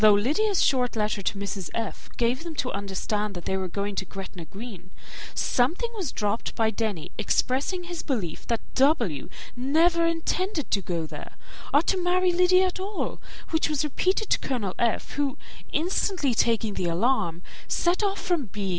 Though Lydia's short letter to Mrs. F. gave them to understand that they were going to Gretna Green, something was dropped by Denny expressing his belief that W. never intended to go there, or to marry Lydia at all, which was repeated to Colonel F., who, instantly taking the alarm, set off from B.